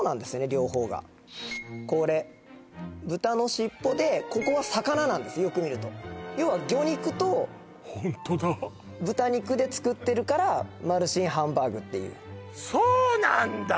両方がこれ豚の尻尾でここは魚なんですよく見ると要は魚肉とホントだ豚肉で作ってるからマルシンハンバーグっていうそうなんだ！